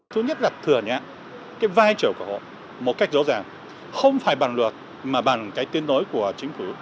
thứ nhất là thừa nhận cái vai trò của họ một cách rõ ràng không phải bằng luật mà bằng cái tuyên đối của chính phủ